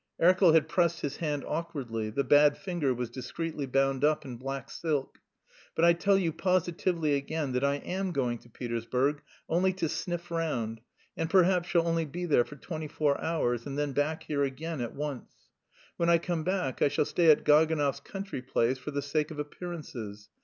(Erkel had pressed his hand awkwardly; the bad finger was discreetly bound up in black silk.) "But I tell you positively again that I am going to Petersburg only to sniff round, and perhaps shall only be there for twenty four hours and then back here again at once. When I come back I shall stay at Gaganov's country place for the sake of appearances.